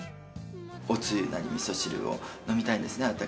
おつゆなり味噌汁を飲みたいですね